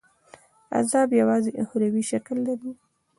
عذاب یوازي اُخروي شکل لري.